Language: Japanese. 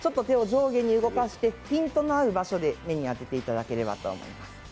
上下に動かしてピントの合う場所で目に当てていただければと思います。